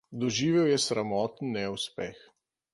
Doživel je sramoten neuspeh.